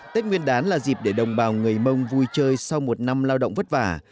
tết nguyên đán là dịp để đồng bào người mông vui chơi sau một năm lao động vất vả